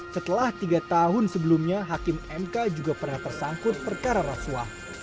setelah tiga tahun sebelumnya hakim mk juga pernah tersangkut perkara rasuah